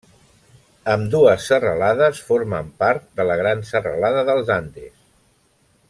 Ambdues serralades formen part de la gran serralada dels Andes.